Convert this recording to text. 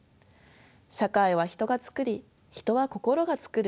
社会は人が作り人は心が作る。